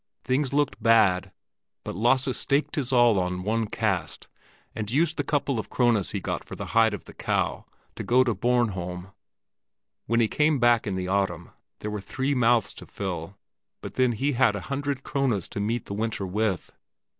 Things looked bad, but Lasse staked his all on one cast, and used the couple of krones he got for the hide of the cow to go to Bornholm. When he came back in the autumn, there were three mouths to fill; but then he had a hundred krones to meet the winter with.